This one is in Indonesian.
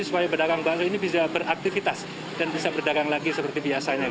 supaya pedagang baru ini bisa beraktivitas dan bisa berdagang lagi seperti biasanya